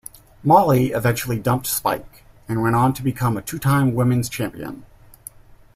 Molly eventually dumped Spike, and went on to become a two-time Women's champion.